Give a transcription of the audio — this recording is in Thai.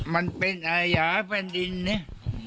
มันเป็นอายาฝันดินเนี้ย